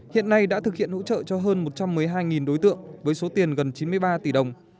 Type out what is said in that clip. hiện nay đã thực hiện hỗ trợ cho hơn một trăm một mươi hai đối tượng với số tiền gần chín mươi ba tỷ đồng